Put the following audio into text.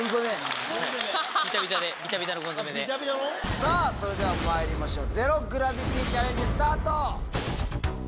さぁそれではまいりましょうゼロ・グラビティチャレンジスタート！